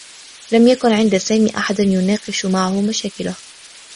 لم يكن عند سامي أحد يناقش معه مشاكله.